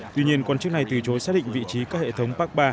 tuy nhiên quan chức này từ chối xác định vị trí các hệ thống park ba